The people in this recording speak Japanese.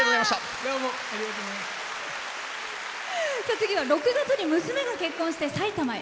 次は６月に娘が結婚して埼玉へ。